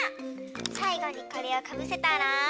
さいごにこれをかぶせたら。